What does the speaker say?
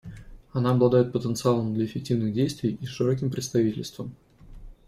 Она обладает потенциалом для эффективных действий и широким представительством.